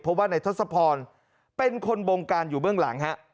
เพราะว่าในทศพรเป็นคนบงการอยู่เบื้องหลังฮะ